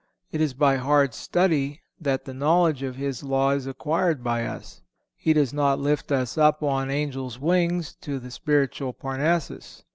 It is by hard study that the knowledge of His law is acquired by us. He does not lift us up on Angels' wings to the spiritual Parnassus.